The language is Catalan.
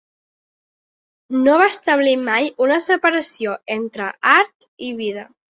No va establir mai una separació entre art i vida.